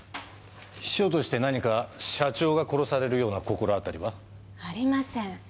秘書として何か社長が殺されるような心当たりは？ありません。